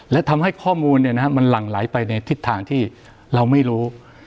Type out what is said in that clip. และทำให้ข้อมูลมันหลั่งไหลไปในทิศทางที่เราไม่รู้